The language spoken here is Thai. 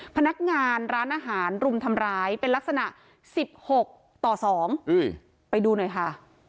พนักงานร้านอาหารรุมทำร้ายเป็นลักษณะ๑๖ต่อ๒ไปดูหน่อยค่ะ